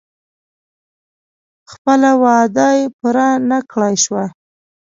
خپله وعده پوره نه کړای شوه.